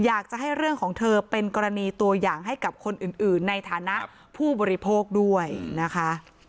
อยากจะให้เรื่องของเธอเป็นกรณีตัวอย่างให้กับคนอื่นในฐานะผู้บริโภคด้วยนะคะ